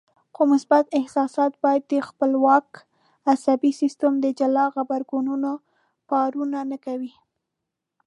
خو مثبت احساسات بيا د خپلواک عصبي سيستم د جلا غبرګونونو پارونه نه کوي.